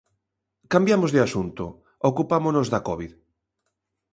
Cambiamos de asunto: ocupámonos da covid.